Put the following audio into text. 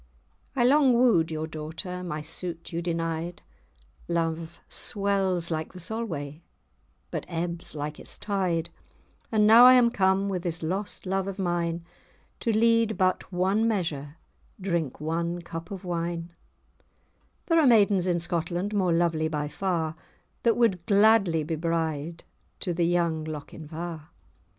"I long wooed your daughter, my suit you denied; Love swells like the Solway, but ebbs like its tide, And now am I come, with this lost love of mine, To lead but one measure, drink one cup of wine, There are maidens in Scotland, more lovely by far, That would gladly be bride to the young Lochinvar."